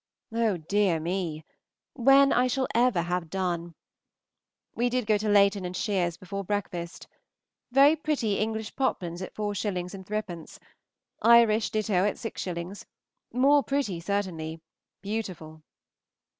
Oh, dear me! when I shall ever have done. We did go to Layton and Shear's before breakfast. Very pretty English poplins at 4_s._ 3_d._; Irish, ditto at 6_s._; more pretty, certainly, beautiful.